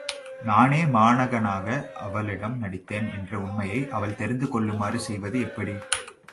நானே மாணகனாக அவளிடம் நடித்தேன் என்ற உண்மையை அவள் தெரிந்து கொள்ளுமாறு செய்வது எப்படி?